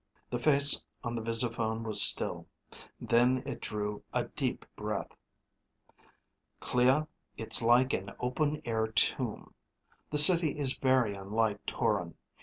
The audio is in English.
The face on the visiphone was still. Then it drew a deep breath. "Clea, it's like an open air tomb. The city is very unlike Toron.